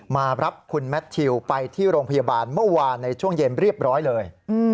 มารับคุณแมททิวไปที่โรงพยาบาลเมื่อวานในช่วงเย็นเรียบร้อยเลย